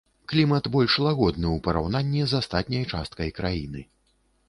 Клімат больш лагодны ў параўнанні з астатняй часткай краіны.